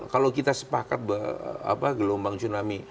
kalau kita sepakat bahwa gelombang tsunami